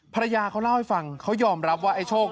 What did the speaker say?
ภรรยาเขาเล่าให้ฟังเขายอมรับว่าไอ้โชค